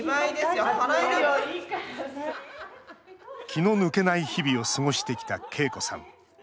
気の抜けない日々を過ごしてきた、恵子さん。